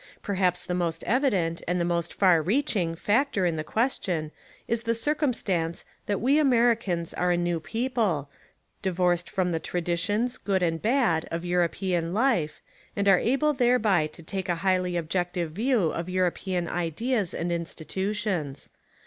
Perhaps the most evident, and the most far reaching, factor In the question is the circumstance that we Americans are a new people, divorced from the traditions, good and bad, of European life, and are able thereby to take a highly objective view of European ideas and institutions.